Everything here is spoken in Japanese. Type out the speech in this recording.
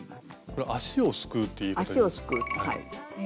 これ足をすくうっていうこと。